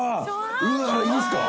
「いいんすか？」